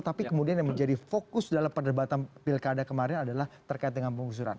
tapi kemudian yang menjadi fokus dalam perdebatan pilkada kemarin adalah terkait dengan pengusuran